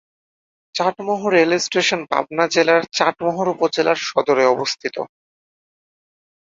Chatmohar railway station Pabna জেলার চাটমোহর উপজেলা সদরে অবস্থিত।